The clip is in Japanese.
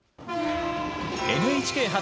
ＮＨＫ発！